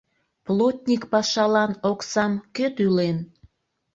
Плотник пашалан оксам кӧ тӱлен?